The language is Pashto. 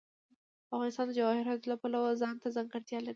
افغانستان د جواهرات د پلوه ځانته ځانګړتیا لري.